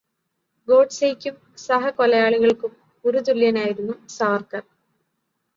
ഗോഡ്സെയ്ക്കും സഹകൊലയാളികൾക്കും ഗുരുതുല്യനായിരുന്നു Savarkar.